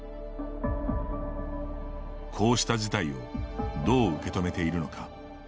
こうした事態をどう受け止めているのか。